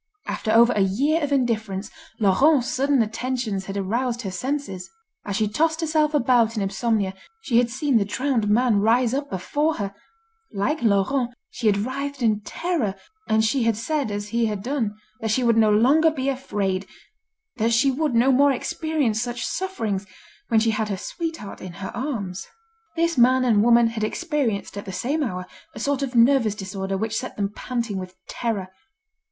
After over a year of indifference, Laurent's sudden attentions had aroused her senses. As she tossed herself about in insomnia, she had seen the drowned man rise up before her; like Laurent she had writhed in terror, and she had said as he had done, that she would no longer be afraid, that she would no more experience such sufferings, when she had her sweetheart in her arms. This man and woman had experienced at the same hour, a sort of nervous disorder which set them panting with terror.